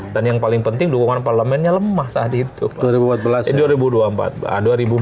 dan yang paling penting dukungan parlamennya lemah saat itu